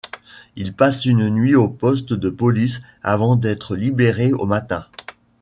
Il passe une nuit au poste de police avant d'être libéré au matin.